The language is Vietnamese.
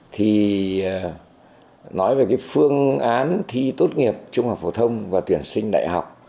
thì nói về cái phương án thi tốt nghiệp trung học phổ thông và tuyển sinh đại học